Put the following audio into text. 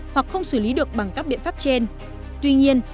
hoặc không xử lý được bằng các biện pháp trên